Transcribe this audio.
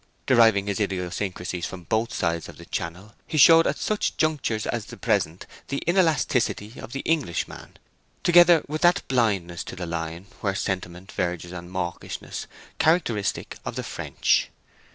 Deriving his idiosyncrasies from both sides of the Channel, he showed at such junctures as the present the inelasticity of the Englishman, together with that blindness to the line where sentiment verges on mawkishness, characteristic of the French.